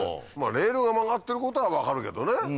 レールが曲がってることは分かるけどね